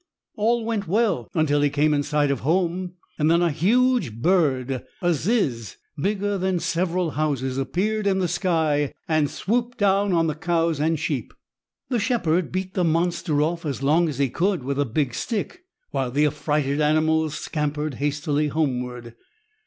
All went well until he came in sight of home. Then a huge bird, a ziz, bigger than several houses, appeared in the sky and swooped down on the cows and sheep. The shepherd beat the monster off as long as he could with a big stick, while the affrighted animals scampered hastily homeward.